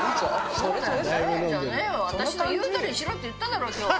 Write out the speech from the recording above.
私の言うとおりにしろって言っただろ今日は。